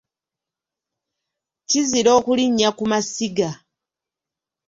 Kizira okulinnya ku masiga.